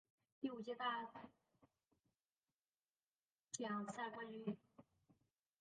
第五届大奖赛冠军。